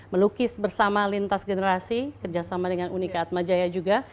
melukis bersama lintas generasi kerjasama dengan uni keatma jaya juga